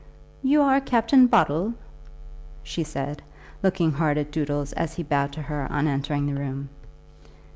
"You are Captain Boddle," she said, looking hard at Doodles, as he bowed to her on entering the room.